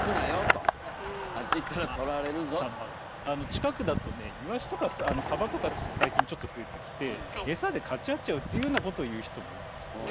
近くだとねイワシとかサバとか最近ちょっと増えてきてエサでかち合っちゃうというようなことを言う人もいますよね。